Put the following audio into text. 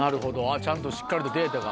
ちゃんとしっかりとデータが。